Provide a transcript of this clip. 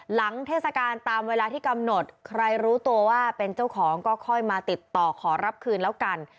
เทศกาลตามเวลาที่กำหนดใครรู้ตัวว่าเป็นเจ้าของก็ค่อยมาติดต่อขอรับคืนแล้วกัน